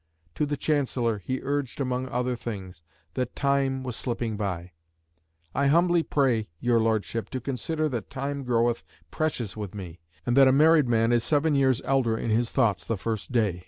To the Chancellor he urged, among other things, that time was slipping by "I humbly pray your Lordship to consider that time groweth precious with me, and that a married man is seven years elder in his thoughts the first day....